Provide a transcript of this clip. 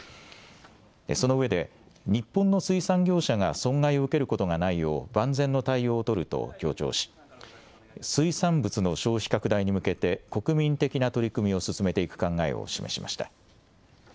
その上で、日本の水産業者が損害を受けることがないよう万全の対応を取ると強調し、水産物の消費拡大に向けて、国民的な取り組みを進めていく考えを示しました。